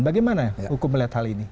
bagaimana hukum melihat hal ini